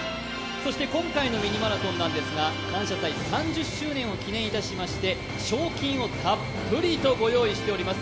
今回の「ミニマラソン」なんですが、「感謝祭」３０周年を記念いたしまして賞金をたっぷりとご用意しております。